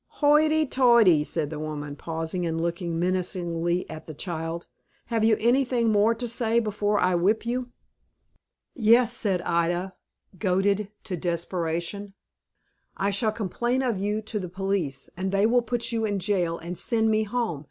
"Hoity toity!" said the woman, pausing and looking menacingly at the child. "Have you anything more to say before I whip you?" "Yes," said Ida, goaded to desperation; "I shall complain of you to the police, and they will put you in jail, and send me home.